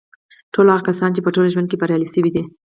ټول هغه کسان چې په ژوند کې بریالي شوي دي